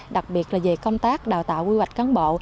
đặc biệt là về công tác đào tạo quy hoạch cán bộ